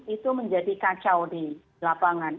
itu menjadi kacau di lapangan